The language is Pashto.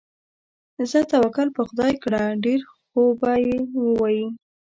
ځه توکل په خدای کړه، ډېر خوبه یې ووایې.